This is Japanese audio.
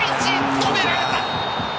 止められた。